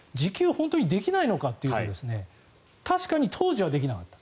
本当にできないのかというと確かに当時はできなかった。